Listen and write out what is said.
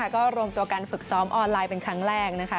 ก็รวมตัวการฝึกซ้อมออนไลน์เป็นครั้งแรกนะคะ